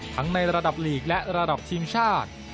ในระดับลีกและระดับทีมชาติ